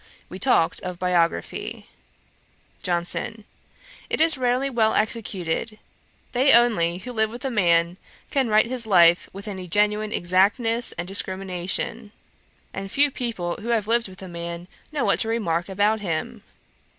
We talked of biography. JOHNSON. 'It is rarely well executed. They only who live with a man can write his life with any genuine exactness and discrimination; and few people who have lived with a man know what to remark about him.